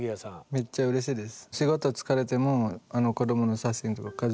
めっちゃうれしいです。